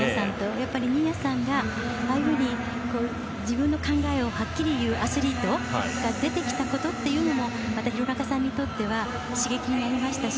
やっぱり、新谷さんがああいうふうに自分の考えをはっきり言うアスリートが出てきたことというのもまた、廣中さんにとっては刺激になりましたし。